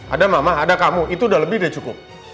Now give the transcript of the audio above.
ada mama ada kamu itu udah lebih udah cukup